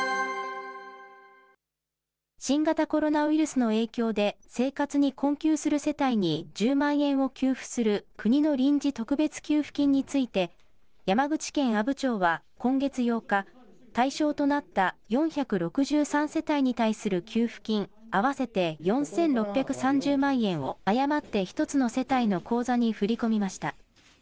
新型コロナウイルスの影響で、生活に困窮する世帯に１０万円を給付する国の臨時特別給付金について、山口県阿武町は今月８日、対象となった４６３世帯に対する給付金合わせて４６３０万円を、誤って、１つの世帯の口座に振り込みました。